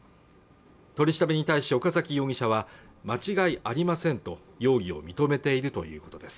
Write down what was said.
取り調べに対し岡崎容疑者は間違いありませんと容疑を認めているということです